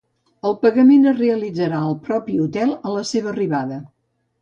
El pagament es realitzarà al propi hotel a la seva arribada.